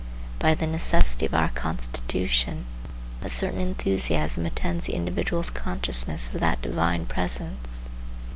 By the necessity of our constitution a certain enthusiasm attends the individual's consciousness of that divine presence.